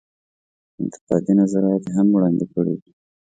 انتقادي نظرات یې هم وړاندې کړي دي.